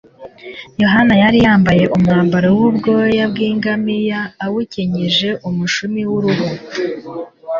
Yohana yari yambaye umwambaro w'ubwoya bw'ingamiya awukenyeje umushumi w'uruhu.